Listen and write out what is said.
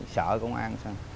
sợ công an